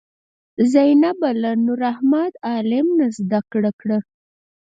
زینبه له نورمحمد عالم نه زده کړه.